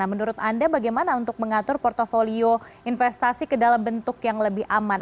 menurut anda bagaimana untuk mengatur portfolio investasi ke dalam bentuk yang lebih aman